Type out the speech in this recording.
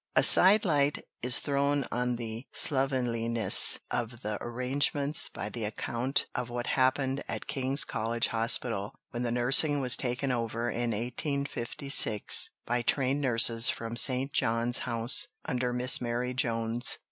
" A side light is thrown on the slovenliness of the arrangements by the account of what happened at King's College Hospital when the nursing was taken over in 1856 by trained nurses from St. John's House under Miss Mary Jones.